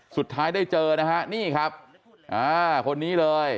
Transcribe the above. สุดท้ายได้เจอนะฮะนี่ครับอ่าคนนี้เลย